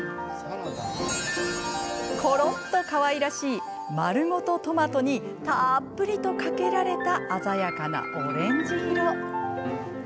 コロンとかわいらしい丸ごとトマトにたっぷりとかけられた鮮やかなオレンジ色。